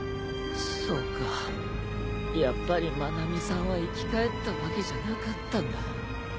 そうかやっぱり愛美さんは生き返ったわけじゃなかったんだ。